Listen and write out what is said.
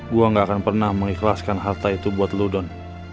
gue gak akan pernah mengikhlaskan harta itu buat ludon